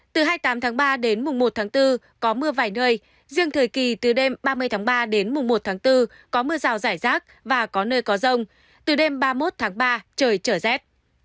từ hai mươi tám tháng ba đến mùng một tháng bốn có mưa vài nơi riêng thời kỳ từ đêm ba mươi tháng ba đến mùng một tháng bốn có mưa rào rải rác và có nơi có rông từ đêm ba mươi một tháng ba trời trở rét